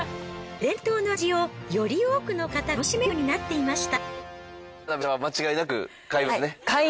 伝統の味をより多くの方が楽しめるようになっていました。